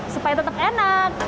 supaya tetap enak